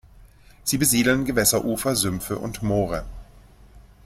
Sie besiedeln Gewässerufer, Sümpfe und Moore.